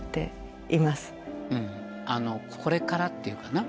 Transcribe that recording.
これからっていうかな。